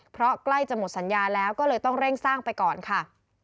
เพราะใกล้จะหมดสัญญาแล้วก็เลยต้องเร่งสร้างไปก่อนค่ะ